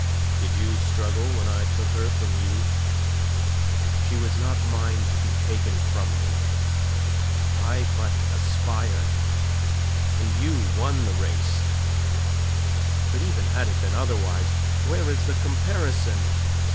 Did you struggle when I took her from you?" "She was not mine to be taken from me. I but aspired, and you won the race. But even had it been otherwise where is the comparison?